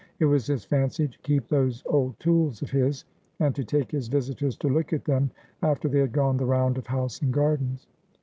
It was his fancy to keep those old tools of his, and to take his visitors to look at them, after they had gone the round of house and gardens.'